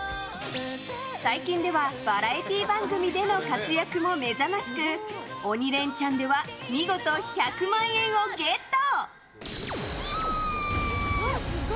最近ではバラエティー番組での活躍も目覚ましく「鬼レンチャン」では見事１００万円をゲット！